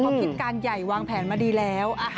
พิติกันใหญ่วางแผนมาดีแล้ว